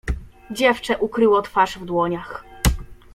"Dziewczę ukryło twarz w dłoniach."